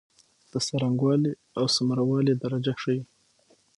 د څرنګوالی او څومره والي درجه ښيي.